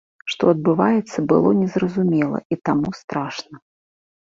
Што адбываецца, было незразумела і таму страшна.